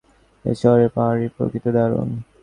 এই শহরের পাহাড়ি প্রকৃতি দারুণ।